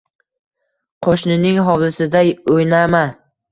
“Qo‘shnining hovlisida o‘ynama.